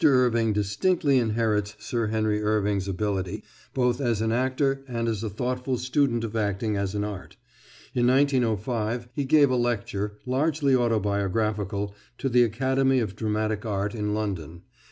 Irving distinctly inherits Sir Henry Irving's ability both as an actor and as a thoughtful student of acting as an art. In 1905 he gave a lecture, largely autobiographical, to the Academy of Dramatic Art in London.